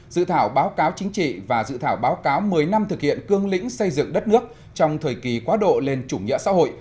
dự thảo báo cáo chính trị và dự thảo báo cáo một mươi năm thực hiện cương lĩnh xây dựng đất nước trong thời kỳ quá độ lên chủ nghĩa xã hội